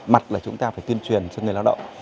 mặt là chúng ta phải tuyên truyền cho người lao động